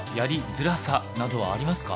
づらさなどはありますか？